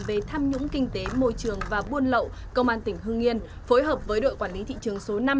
về tham nhũng kinh tế môi trường và buôn lậu công an tỉnh hương yên phối hợp với đội quản lý thị trường số năm